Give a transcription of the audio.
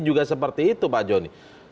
juga seperti itu pak joni